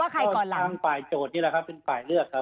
ใครก่อนล่ะทางฝ่ายโจทย์นี่แหละครับเป็นฝ่ายเลือกครับ